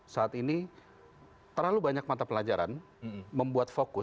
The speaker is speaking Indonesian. saat ini terlalu banyak mata pelajaran membuat fokus